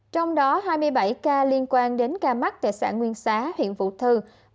trong đó hai mươi bảy ca liên quan đến ca mắc tại xã nguyên xá huyện vụ thư